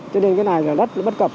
cho nên cái này là rất là bất cập